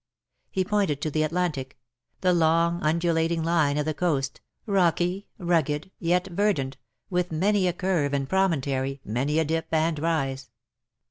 He pointed to the Atlantic : the long undulating line of the coast, rocky, rugged, yet verdant, with many a curve and promontory, many a dip and rise.